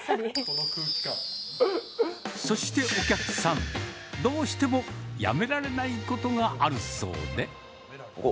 そしてお客さん、どうしてもやめられないことがあるそうで。